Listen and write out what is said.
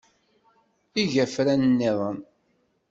Eg afran-nniḍen.